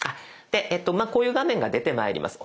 でこういう画面が出てまいります。